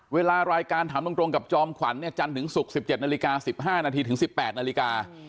เวลารายการถามตรงกับจอมขวัญจันทร์ถึงศุกร์๑๗นาฬิกา๑๕นาทีถึง๑๘นาฬิกา